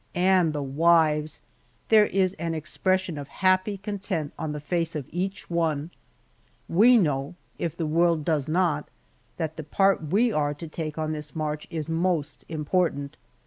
And the wives! there is an expression of happy content on the face of each one. We know, if the world does not, that the part we are to take on this march is most important.